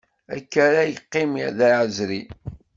Akka ara yeqqim d aεezri?